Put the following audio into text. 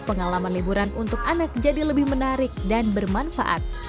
pengalaman liburan untuk anak jadi lebih menarik dan bermanfaat